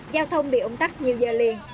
giao thông bị ung tắt nhiều giờ liền